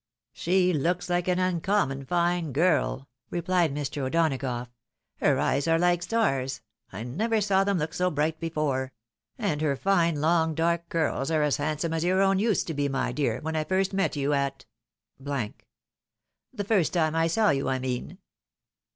" She looks like an uncommon fine girl," replied Mr. O'Donagough. " Here eyes are like stars — I never saw them look so bright before — and her fine long dark curls are as handsome as your own used to be, my dear, when I first met you at . The first time I saw you, I mean."